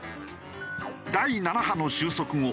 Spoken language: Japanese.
第７波の収束後